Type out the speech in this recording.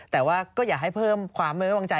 แต่ว่าก็อยากให้เพิ่มความไม่ไว้วางใจ